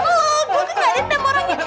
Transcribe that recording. lo gue kegagarin sama orangnya